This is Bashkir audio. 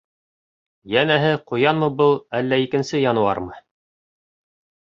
Йәнәһе, ҡуянмы был, әллә икенсе януармы?